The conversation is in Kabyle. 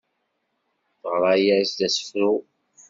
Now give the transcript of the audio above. Teɣra-yas-d asefru.